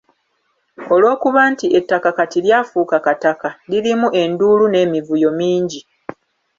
Olwokuba nti ettaka kati lyafuuka kataka, lirimu enduulu n’emivuyo mingi.